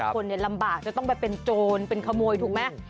คนลำบากจะต้องไปเป็นโจรเป็นขโมยถูกไหม